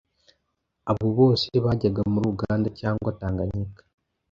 Abo bose bajyaga muri Uganda cyangwa Tanganyika